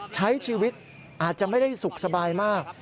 ใช้ชีวิตอาจจะไม่ได้สุขสบายมาก